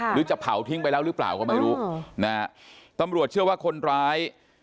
หรือจะเผาทิ้งไปแล้วหรือเปล่าก็ไม่รู้นะฮะตำรวจเชื่อว่าคนร้าย